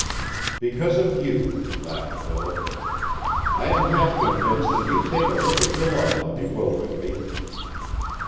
"Because of you," laughed Philip. "I am half convinced that you take a wicked delight in bewildering me."